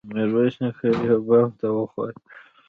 ميرويس نيکه يوه بام ته وخوت.